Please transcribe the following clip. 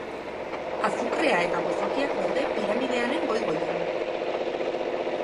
Azukrea eta gozokiak daude piramidearen goi-goian.